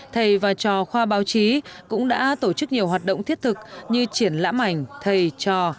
thầy và trò khoa báo chí cũng đã tổ chức nhiều hoạt động thiết thực như triển lãm ảnh thầy trò